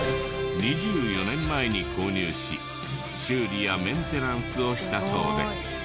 ２４年前に購入し修理やメンテナンスをしたそうで。